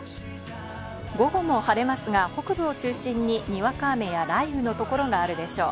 午後も晴れますが北部を中心ににわか雨や雷雨のところがあるでしょう。